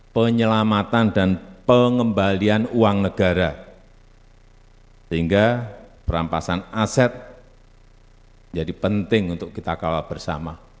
penyelamatan dan pengembalian uang negara sehingga perampasan aset menjadi penting untuk kita kawal bersama